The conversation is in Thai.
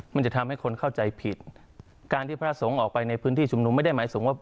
มันจะทำให้คนเข้าใจผิดการที่พระสงฆ์ออกไปในพื้นที่ชุมนุมไม่ได้หมายถึงว่า